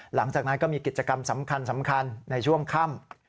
หลังจากนั้นก็มีกิจกรรมสำคัญในช่วงค่ำ